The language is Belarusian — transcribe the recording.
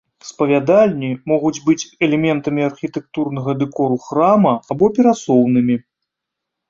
Спавядальні могуць быць элементамі архітэктурнага дэкору храма або перасоўнымі.